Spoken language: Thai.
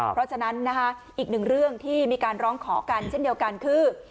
เพราะฉะนั้นนะคะอีกหนึ่งเรื่องที่มีการร้องขอกันเช่นเดียวกันคือ